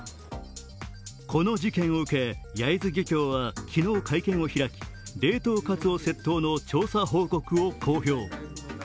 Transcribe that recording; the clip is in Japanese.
この事件を受け焼津漁協は昨日、会見を開き冷凍かつお窃盗の調査報告を公表。